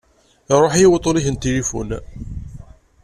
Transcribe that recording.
Iruḥ-iyi wuṭṭun-ik n tilufu